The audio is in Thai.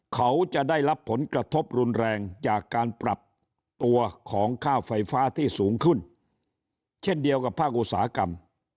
เขาจะได้รับผลกระทบรุนแรงจากการปรับตัวของค่าไฟฟ้าที่สูงขึ้นเช่นเดียวกับภาคอุตสาหกรรม